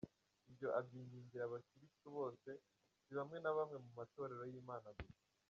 Ibyo abyingingira abakiristu bose si bamwe na bamwe mu matorero y’Imana gusa.